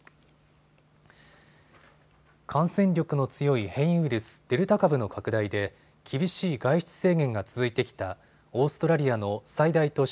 感染力の強い変異ウイルス、デルタ株の拡大で厳しい外出制限が続いてきたオーストラリアの最大都市